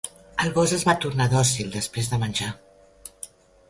El gos es va tornar dòcil després de menjar.